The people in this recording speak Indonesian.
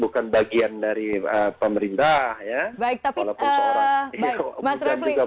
bukan bagian dari pemerintah walaupun seorang